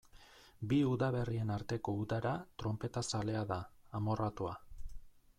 Bi udaberrien arteko udara tronpetazalea da, amorratua.